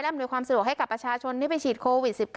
อำนวยความสะดวกให้กับประชาชนที่ไปฉีดโควิด๑๙